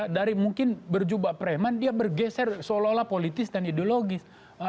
dari mungkin berjubah preman dia bergeser seolah olah politis dan ideologis